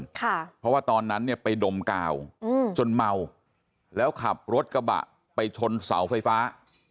เพราะว่าตอนนั้นเนี่ยไปดมกาวจนเมาแล้วขับรถกระบะไปชนเสาไฟฟ้า